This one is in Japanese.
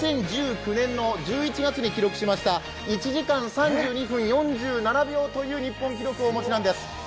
２０１９年の１１月に記録しました１時間３２分４７秒という日本記録をお持ちなんです。